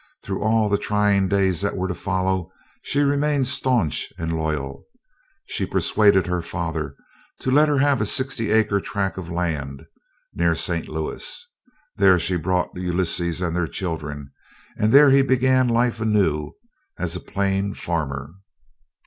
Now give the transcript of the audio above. Through all the trying days that were to follow, she remained staunch and loyal. She persuaded her father to let her have a sixty acre tract of land, near St. Louis. There she brought Ulysses and their children, and there he began life anew, as a plain farmer.